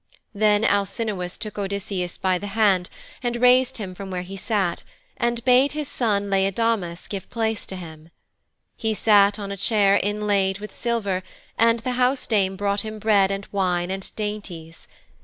Then Alcinous took Odysseus by the hand, and raised him from where he sat, and bade his son Laodamas give place to him. He sat on a chair inlaid with silver and the housedame brought him bread and wine and dainties.